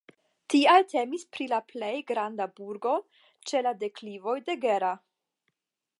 Tial temis pri la plej granda burgo ĉe la deklivoj de Gera.